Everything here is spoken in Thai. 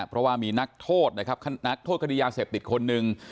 เพราะว่ามีนักโทษนะครับนักโทษคดียาเสพติดคนหนึ่ง